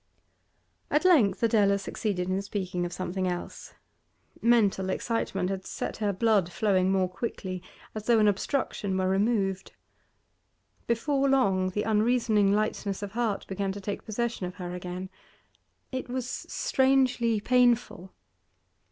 At length Adela succeeded in speaking of something else. Mental excitement had set her blood flowing more quickly, as though an obstruction were removed. Before long the unreasoning lightness of heart began to take possession of her again. It was strangely painful.